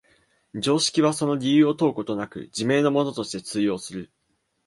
常識はその理由を問うことなく、自明のものとして通用する。